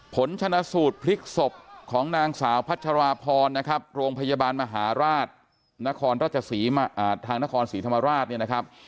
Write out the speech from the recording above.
ผลชนะสูตรพลิกศพของนางสาวพัชราพรนะครับโรงพยาบาลมหาราชทางนครศรีธรรมราช